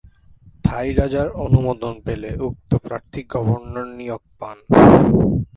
থাই রাজার অনুমোদন পেলে উক্ত প্রার্থী গভর্নর নিয়োগ পান।